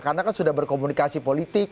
karena kan sudah berkomunikasi politik